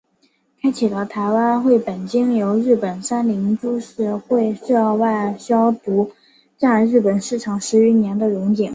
开启了台湾桧木经由日本三菱株式会社外销独占日本市场十余年的荣景。